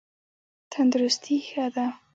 تندرستي ښه ده.